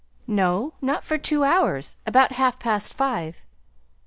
"No, not for two hours about half past five."